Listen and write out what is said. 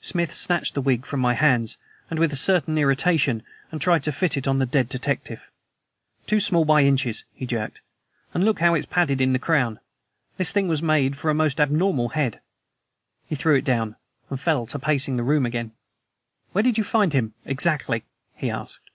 Smith snatched the wig from my hands with a certain irritation, and tried to fit it on the dead detective. "Too small by inches!" he jerked. "And look how it's padded in the crown. This thing was made for a most abnormal head." He threw it down, and fell to pacing the room again. "Where did you find him exactly?" he asked.